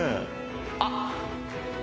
あっ！